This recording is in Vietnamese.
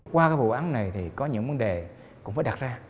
qua cái vụ án này thì có những vấn đề cũng phải đặt ra